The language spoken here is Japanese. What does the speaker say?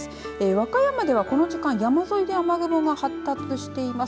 和歌山では、この時間山沿いで雨雲が発達しています。